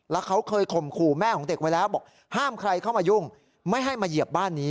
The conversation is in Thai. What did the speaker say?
แล้วเขาเคยข่มขู่แม่ของเด็กไว้แล้วบอกห้ามใครเข้ามายุ่งไม่ให้มาเหยียบบ้านนี้